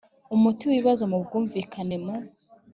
umuti w ibibazo mu bwumvikane mu